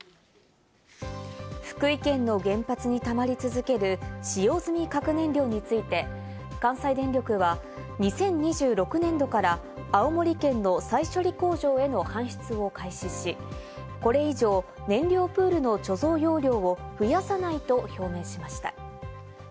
福井県の原発に溜り続ける使用済み核燃料について、関西電力は２０２６年度から青森県の再処理工場への搬出を開始し、これ以上、燃料プールの貯蔵容量を増やさないと表明しました。